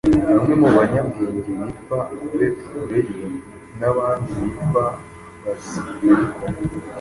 bamwe mu banyabwenge bitwa Abepikureyo, n’abandi bitwa Abasitoyiko;”